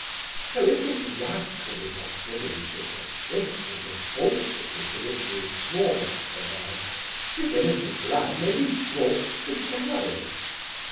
'So if this rascally postilion should persist in the falsity to which he is sworn (said I), this innocent lad may be brought to the gallows.